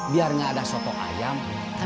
biar gak ada sotok ayam